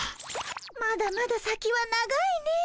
まだまだ先は長いね。